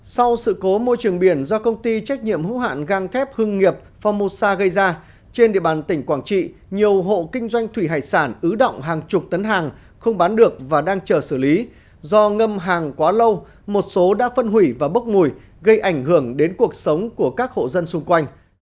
sau sự cố môi trường biển do công ty trách nhiệm hữu hạn gang thép hưng nghiệp formosa gây ra trên địa bàn tỉnh quảng trị nhiều hộ kinh doanh thủy hải sản ứ động hàng chục tấn hàng không bán được và đang chờ xử lý do ngâm hàng quá lâu một số đã phân hủy và bốc mùi gây ảnh hưởng đến cuộc sống của các hộ dân xung quanh